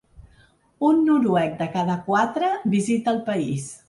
Un noruec de cada quatre visita el país.